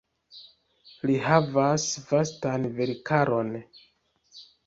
Li havas vastan verkaron.